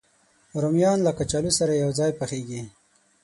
رومیان له کچالو سره یو ځای پخېږي